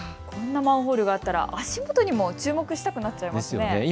こんなマンホールがあったら足元にも注目したくなっちゃいますよね。